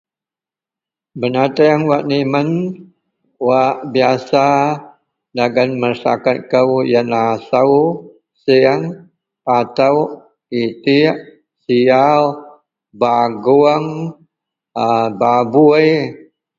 Benateang wak nimen wak biasa dagen masaraket kou iyenlah asou sieng patok itek siyaw baguong a baboi.